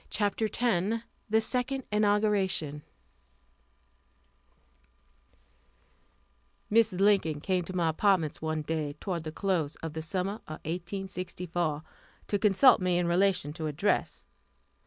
CHAPTER X THE SECOND INAUGURATION Mrs. Lincoln came to my apartments one day towards the close of the summer of 1864, to consult me in relation to a dress.